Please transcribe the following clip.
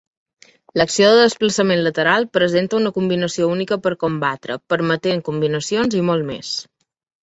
L'acció de desplaçament lateral presenta una combinació única per combatre, permetent combinacions i molt més.